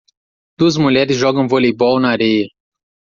Duas mulheres jogam voleibol na areia.